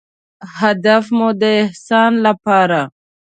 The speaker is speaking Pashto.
هدف مو د احسان لپاره